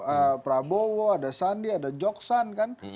ada prabowo ada sandi ada joksan kan